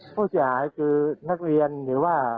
ผู้เสียหายคือนักเรียนหรือว่า